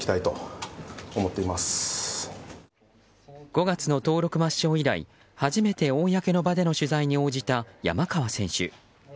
５月の登録抹消以来、初めて公の場での取材に応じた山川選手。